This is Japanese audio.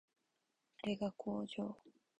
あれが工場